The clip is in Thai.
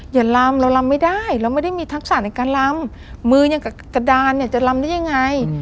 อย่าลำเราลำไม่ได้เราไม่ได้มีทักษะในการลำมืออย่างกับกระดานเนี่ยจะลำได้ยังไง